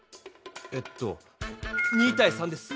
えっと２対３です。